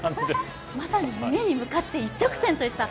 まさに夢に向かって一直線といった